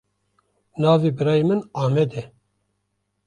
Navê birayê min Amed e.